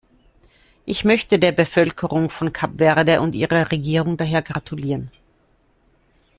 Ich möchte der Bevölkerung von Kap Verde und ihrer Regierung daher gratulieren.